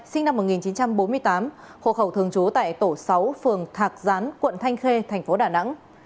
sinh năm một nghìn chín trăm bốn mươi tám hộ khẩu thường trú tại tổ sáu phường thạc gián quận thanh khê thành phố đà nẵng